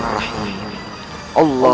aku berhak untuk menjelaskan semuanya